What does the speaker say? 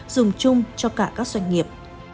dùng chung cho cả các doanh nghiệp